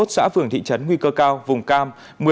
bảy mươi một xã phường thị trấn nguy cơ cao vùng cam